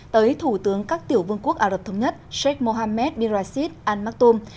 tới thủ tướng các tiểu vương quốc ả rập thống nhất sheikh mohammed bin rashid al maktoum